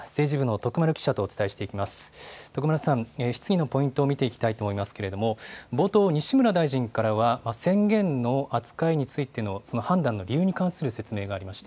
徳丸さん、質疑のポイントを見ていきたいと思いますけれども、冒頭、西村大臣からは宣言の扱いについてのその判断の理由に関する説明がありました。